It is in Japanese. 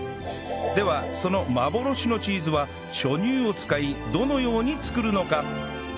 ではその幻のチーズは初乳を使いどのように作るのか？